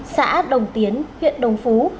xã đồng tiến huyện đồng phú